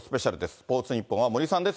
スポーツニッポンは森さんです。